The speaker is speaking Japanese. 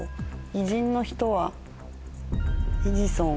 偉人の人はエジソン。